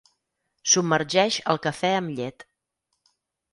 Submergeix al cafè amb llet.